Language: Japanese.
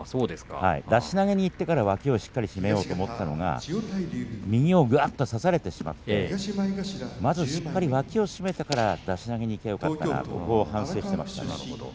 出し投げにいってから脇を締めようと思ったのが右を差されてしまってまずしっかり脇を締めてから出し投げにいけばよかったかなと反省していました。